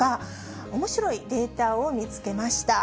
おもしろいデータを見つけました。